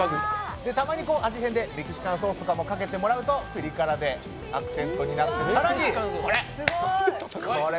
たまに味変でメキシカンソースとかもかけてもらうとピリ辛でアクセントになって、更にこれ！